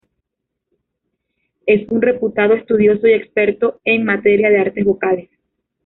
Es un reputado estudioso y experto en materia de artes vocales.